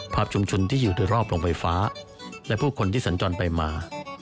ภาพชุมชนที่อยู่โดยรอบโรงไฟฟ้าและผู้คนที่สัญจรไปมา